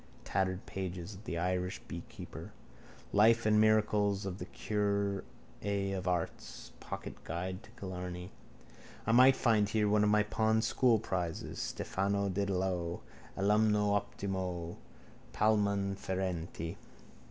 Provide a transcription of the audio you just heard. Tattered pages. The Irish Beekeeper. Life and Miracles of the Curé of Ars. Pocket Guide to Killarney. I might find here one of my pawned schoolprizes. _Stephano Dedalo, alumno optimo, palmam ferenti.